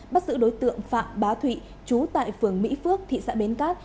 bắt giữ đối tượng phạm bá thụy chú tại phường mỹ phước thị xã bến cát